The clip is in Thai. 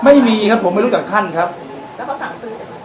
ไม่มีครับผมไม่รู้จักท่านครับแล้วพวกสามซื้อจะ